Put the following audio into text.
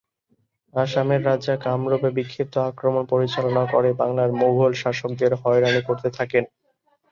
আসামের রাজা কামরূপে বিক্ষিপ্ত আক্রমণ পরিচালনা করে বাংলার মুগল শাসকদের হয়রানি করতে থাকেন।